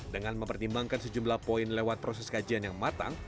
dengan mempertimbangkan sejumlah poin lewat proses kajian yang matang